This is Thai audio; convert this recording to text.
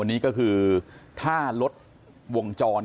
วันนี้ก็คือถ้ารถวงจร